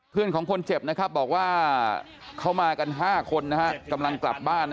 เพื่อนของคนเจ็บบอกว่าเขามากัน๕คนกำลังกลับบ้าน